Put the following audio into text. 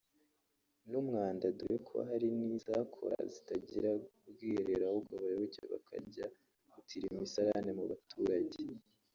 n’umwanda dore ko hari izakoraga zitagira ubwiherero ahubwo abayoboke bakajya gutira imisarane mu baturage